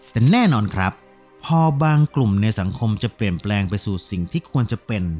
แต่แน่นอนครับพอบางกลุ่มในสังคมจะเปลี่ยนแปลงไปสู่สิ่งที่ควรจะเป็น